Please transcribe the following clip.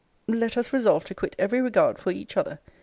let us resolve to quit every regard for each other.